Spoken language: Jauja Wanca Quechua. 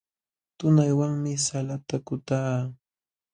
Tunaywanmi salata kutaa.